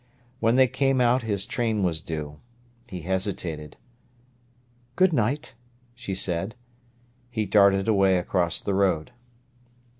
When they came out his train was due. He hesitated. "Good night," she said. He darted away across the road.